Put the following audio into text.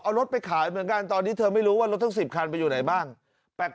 เอารถไปขายเหมือนกันตอนนี้เธอไม่รู้ว่ารถทั้ง๑๐คันไปอยู่ไหนบ้าง